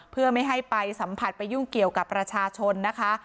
เพื่อไม่ให้ไปสัมผัสไปยุ่งเกี่ยวกับประชาชนนะคะ